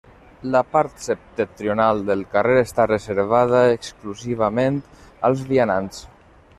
La part septentrional del carrer està reservada exclusivament als vianants.